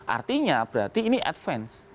artinya berarti ini advance